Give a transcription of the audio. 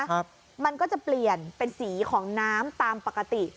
ครับมันก็จะเปลี่ยนเป็นสีของน้ำตามปกติ